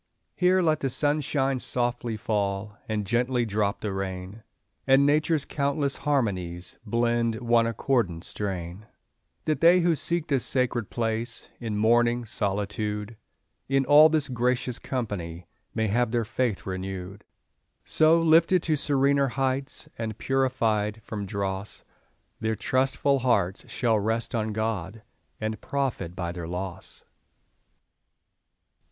Here let the sunshine softly fall, And gently drop the rain, And Nature's countless harmonies Blend one accordant strain; That they who seek this sacred place, In mourning solitude, In all this gracious company May have their faith renewed. So, lifted to serener heights, And purified from dross, Their trustful hearts shall rest on God, And profit by their loss.